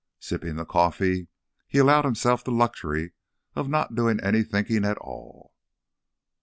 Sipping the coffee, he allowed himself the luxury of not doing any thinking at all.